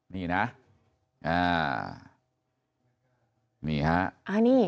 นี่นะนี้คร้ะ